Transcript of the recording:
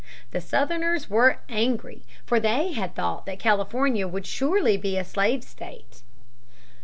The Southerners were angry. For they had thought that California would surely be a slave state.